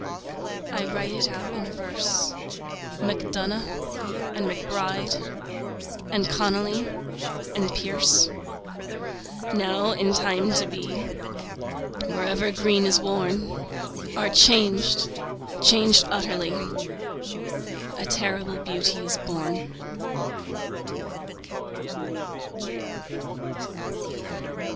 I write it out in a verse MacDonagh and MacBride And Connolly and Pearse Now and in time to be, Wherever green is worn, Are changed, changed utterly: A terrible beauty is born.